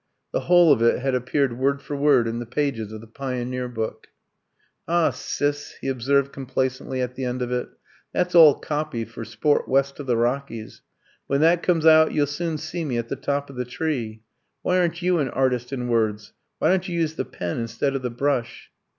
The whole of it had appeared word for word in the pages of the Pioneer book. "Ah, Sis," he observed complacently at the end of it, "that's all copy for 'Sport West of the Rockies.' When that comes out you'll soon see me at the top of the tree. Why aren't you an artist in words? Why don't you use the pen instead of the brush?"